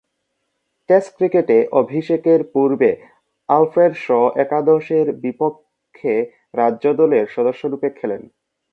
Test ক্রিকেটে অভিষেকের পূর্বে আলফ্রেড শ একাদশের বিপক্ষে রাজ্য দলের সদস্যরূপে খেলেন।